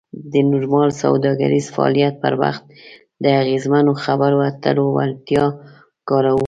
د نورمال سوداګریز فعالیت پر وخت د اغیزمنو خبرو اترو وړتیا کاروو.